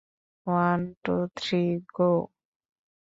One, two, three, go!